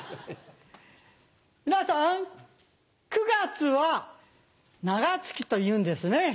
皆さん９月は長月というんですね。